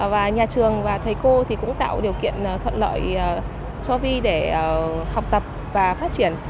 và nhà trường và thầy cô thì cũng tạo điều kiện thuận lợi cho vi để học tập và phát triển